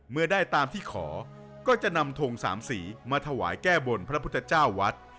เมื่อได้ตามที่ขอก็จะนำทงสามสีมาถวายแก้บนพระพุทธเจ้าวัด